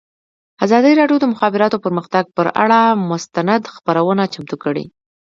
ازادي راډیو د د مخابراتو پرمختګ پر اړه مستند خپرونه چمتو کړې.